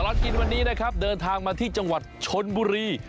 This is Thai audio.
ตลอดกินวันนี้เนี่ยครับเดินทางมาที่ชนบุรี